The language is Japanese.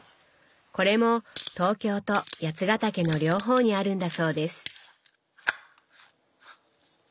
これも東京と八ヶ岳の両方にあるんだそうです。